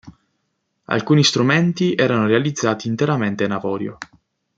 Alcuni strumenti erano realizzati interamente in avorio.